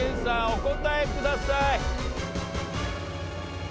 お答えください。